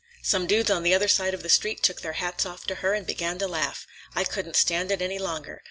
Some dudes on the other side of the street took their hats off to her and began to laugh. I couldn't stand it any longer.